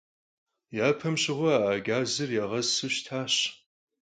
Yapem şığue a gazır yağesu şıtaş.